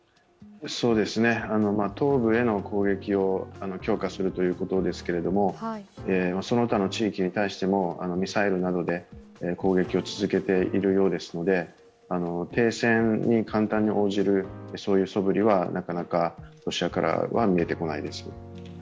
東部への攻撃を強化するということですけれども、その他の地域に対してもミサイルなどで攻撃を続けているようですので停戦に簡単に応じるそぶりはなかなかロシアからは見えてこないです。